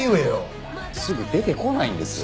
すぐ出てこないんですよ。